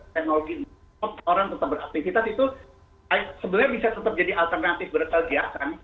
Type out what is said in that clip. teknologi orang tetap beraktivitas itu sebenarnya bisa tetap jadi alternatif berkegiatan